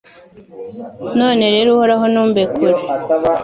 None rero Uhoraho ntumbe kure